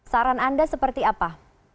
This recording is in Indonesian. saran anda seperti apa